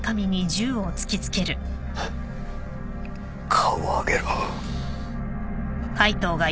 顔を上げろ。